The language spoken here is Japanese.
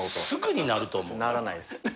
すぐになると思う。ならないです。